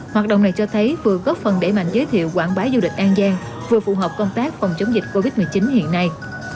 hoạt động này cho thấy vừa góp phần để mạnh giới thiệu quảng bá du lịch an giang vừa phù hợp công tác phòng chống dịch covid một mươi chín hiện nay